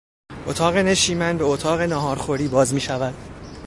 اتاق نشیمن به اتاق نهار خوری باز میشود.